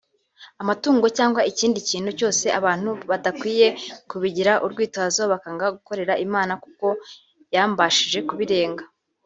amatungo cyangwa ikindi kintu cyose abantu badakwiye kubigira urwitwazo bakanga gukorera Imana kuko yambashishije kubirenga